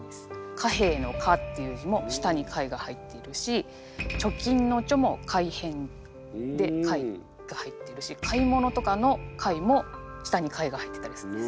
「貨幣」の「貨」っていう字も下に貝が入っているし「貯金」の「貯」も貝偏で貝が入ってるし「買い物」とかの「買い」も下に貝が入ってたりするんです。